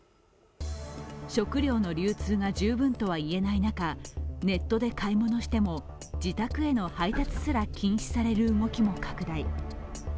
食料の流通が十分とはいえない中、ネットで買い物しても自宅への配達すら禁止される動きも拡大。